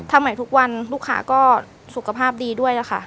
ใหม่ทุกวันลูกค้าก็สุขภาพดีด้วยล่ะค่ะ